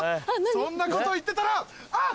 そんなこと言ってたらあっ！